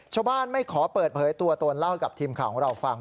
ชาวบ้านไม่ขอเปิดเผยตัวตนเล่าให้กับทีมข่าวของเราฟัง